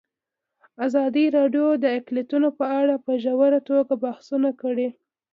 ازادي راډیو د اقلیتونه په اړه په ژوره توګه بحثونه کړي.